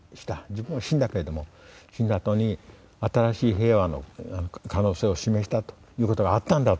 自分は死んだけれども死んだあとに新しい平和の可能性を示したということがあったんだと。